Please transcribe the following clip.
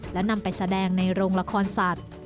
และนำไปแสดงในโรงละครสัตว์